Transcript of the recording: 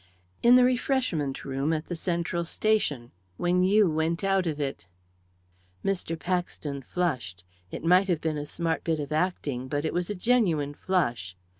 "In the refreshment room at the Central Station when you went out of it." Mr. Paxton flushed it might have been a smart bit of acting, but it was a genuine flush.